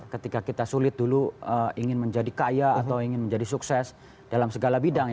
ketika kita sulit dulu ingin menjadi kaya atau ingin menjadi sukses dalam segala bidang